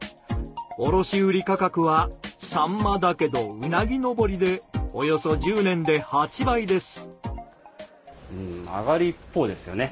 卸売価格はサンマだけどうなぎ登りでおよそ１０年で８倍です。